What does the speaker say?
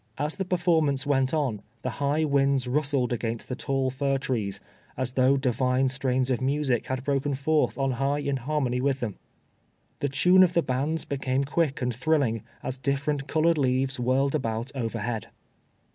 As the performance went on, the high winds rustled against the tall fir trees, as though Divine strains of music had broken forth on high in harmony with them. The tune of the bands became quick and thrilling, as different colored leaves whirled about overhead.